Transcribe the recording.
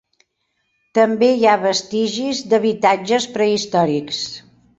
També hi ha vestigis d'habitatges prehistòrics.